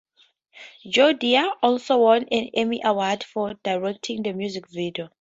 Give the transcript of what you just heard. Joe Dea also won an Emmy Award for directing the music video.